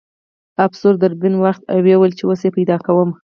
افسر دوربین واخیست او ویې ویل چې اوس یې پیدا کوم